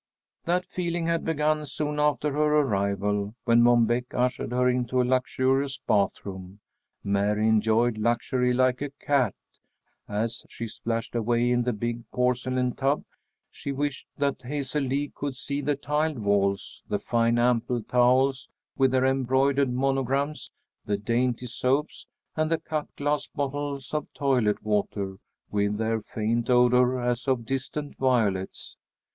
That feeling had begun soon after her arrival, when Mom Beck ushered her into a luxurious bathroom. Mary enjoyed luxury like a cat. As she splashed away in the big porcelain tub, she wished that Hazel Lee could see the tiled walls, the fine ample towels with their embroidered monograms, the dainty soaps, and the cut glass bottles of toilet water, with their faint odor as of distant violets.